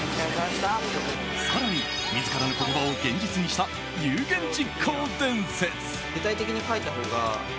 更に、自らの言葉を現実にした有言実行伝説。